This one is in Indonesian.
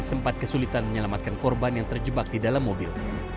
sempat kesulitan menyelamatkan korban yang terjebak di dalam mobil